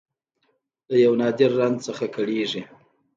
له یو نادر رنځ څخه کړېږي